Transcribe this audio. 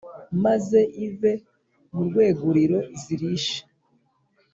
maze ive mu rwêguriro zirishe.